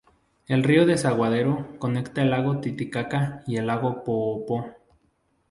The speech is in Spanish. El río Desaguadero conecta el lago Titicaca y el lago Poopó.